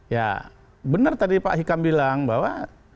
ya benar tadi pak hikam bilang bahwa